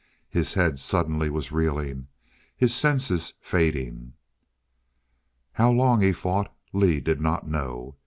His head suddenly was reeling; his senses fading.... How long he fought Lee did not know.